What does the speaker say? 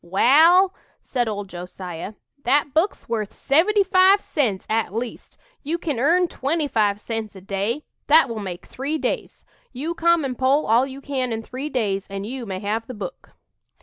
"Wal," said old Josiah, "that book's worth seventy five cents, at least. You kin earn twenty five cents a day that will make three days. You come and pull all you can in three days and you may have the book."